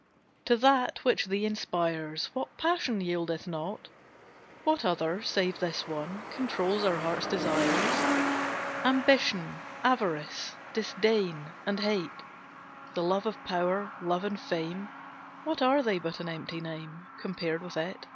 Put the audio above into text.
To that, which thee inspires, What passion yieldeth not? What other, save this one, Controls our hearts' desires? Ambition, avarice, disdain, and hate, The love of power, love of fame, What are they but an empty name, Compared with it?